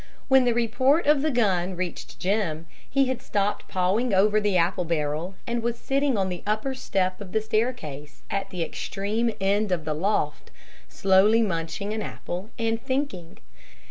When the report of the gun reached Jim, he had stopped pawing over the apple barrel, and was sitting on the upper step of the staircase at the extreme end of the loft, slowly munching an apple and thinking.